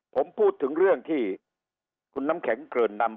ผมพูดถึงเรื่องที่คุณน้ำแข็งเกริ่นนำ